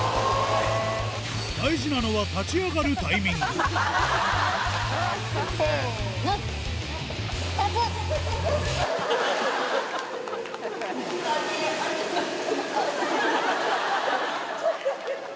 大事なのは立ち上がるタイミせーの。